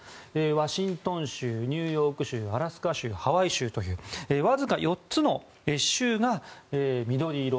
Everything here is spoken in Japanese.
ワシントン州、ニューヨーク州アラスカ州、ハワイ州というわずか４つの州が緑色。